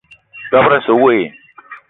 Dob-ro asse we i?